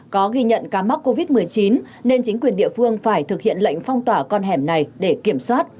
có ghi nhận ca mắc covid một mươi chín nên chính quyền địa phương phải thực hiện lệnh phong tỏa con hẻm này để kiểm soát